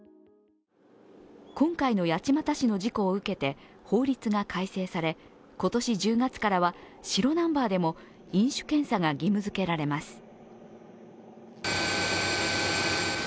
今回の八街市の事故を受けて、法律が改正され、今年１０月からは白ナンバーでも飲酒検査が義務付けられます。